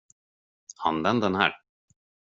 Använd den här.